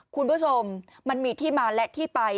คุณผู้ชมมันมีที่มาและที่ไป